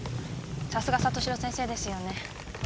さすが里城先生ですよね